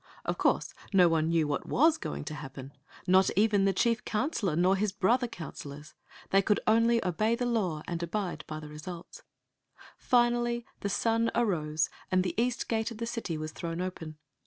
Of course no one knew what was going to happen ; not even the chief counselor nor his brother counsel ors. They could only obey die law and abide by the results. Finally the sun arose and the east gate of the city was thrown open.